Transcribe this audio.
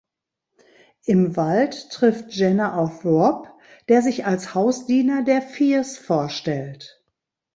Im Wald trifft Jenna auf Rob, der sich als Hausdiener der Fears vorstellt.